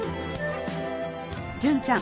純ちゃん